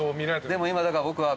でも今だから僕は。